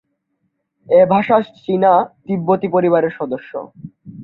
এ ভাষা চীনা-তিব্বতি পরিবারের সদস্য।